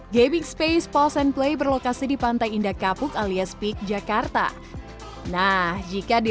gaming space polse and play berlokasi di pantai indah kapuk alias peak jakarta nah jika di